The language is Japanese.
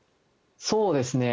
そうですね。